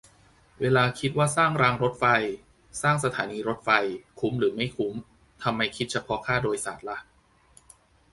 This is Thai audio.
เวลาคิดว่าสร้างรางรถไฟ สร้างสถานีรถไฟ คุ้มหรือไม่คุ้ม ทำไมคิดเฉพาะค่าโดยสารล่ะ ?